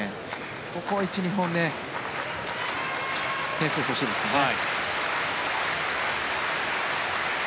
ここ１、２本点数ほしいですね。